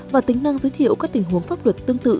và tính năng giới thiệu các tình huống pháp luật tương tự